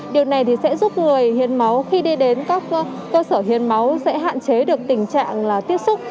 điều này sẽ giúp người hiến máu khi đi đến các cơ sở hiến máu sẽ hạn chế được tình trạng tiếp xúc